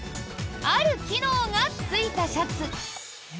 ある機能がついたシャツ。